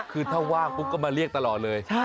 คือถ้าว่างปุ๊บก็มาเรียกตลอดเลย